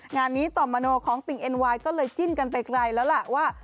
งานนี้ต่อมโนของติ่งเอ็นไวน์ก็เลยจิ้นกันไปไกลแล้วล่ะว่า